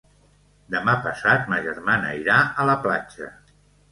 Demà passat ma germana irà a la platja.